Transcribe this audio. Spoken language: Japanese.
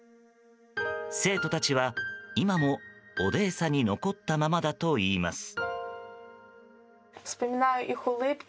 生徒たちは今もオデーサに残ったままだといいます。